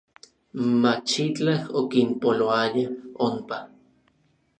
Machitlaj okinpoloaya onpa.